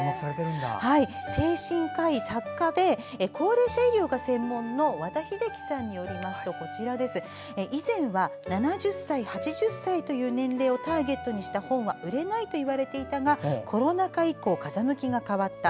精神科医、作家で高齢者医療が専門の和田秀樹さんによりますと以前は７０歳、８０歳という年齢をターゲットにした本は売れないと言われていたがコロナ禍以降、風向きが変わった。